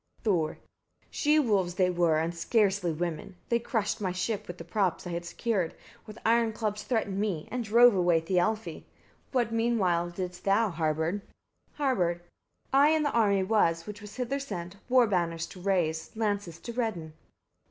Thor. 39. She wolves they were, and scarcely women. They crushed my ship, which with props I had secured, with iron clubs threatened me, and drove away Thialfi. What meanwhile didst thou, Harbard? Harbard. 40. I in the army was, which was hither sent, war banners to raise, lances to redden.